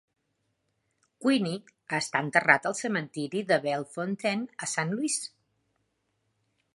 Queeny està enterrat al cementiri de Bellefontaine a Saint Louis.